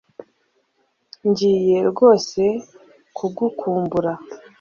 Ngiye rwose kugukumbura